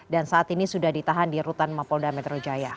dan saat ini sudah ditahan di rutan polda metro jaya